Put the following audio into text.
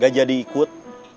gak jadi ikut